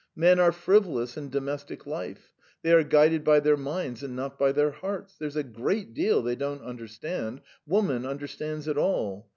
Men are frivolous in domestic life; they are guided by their minds, and not by their hearts. There's a great deal they don't understand; woman understands it all.